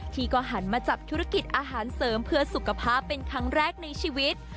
ที่ก็หันมาจับธุรกิจอาหารเสริมเพื่อสุขภาพเป็นครั้งแรกในชีวิต